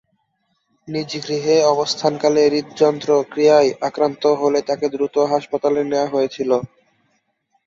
নিজ গৃহে অবস্থানকালে হৃদযন্ত্র ক্রীয়ায় আক্রান্ত হলে তাকে দ্রুত হাসপাতালে নেয়া হয়েছিল।